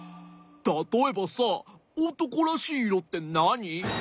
たとえばさおとこらしいいろってなに？